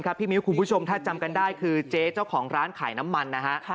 ผู้ชมคุณผู้ชมจะจำกันได้คือเจ๊เจ้าของร้านขายน้ำมัน